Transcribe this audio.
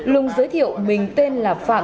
lùng giới thiệu mình tên là phạm thị lùng